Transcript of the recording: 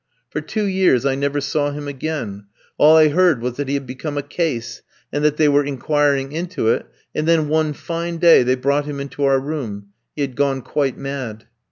For two years I never saw him again, all I heard was that he had become a "case," and that they were inquiring into it; and then one fine day they brought him into our room; he had gone quite mad.